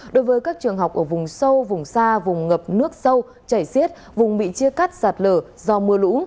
đối với các trường học ở vùng sâu vùng xa vùng ngập nước sâu chảy xiết vùng bị chia cắt sạt lở do mưa lũ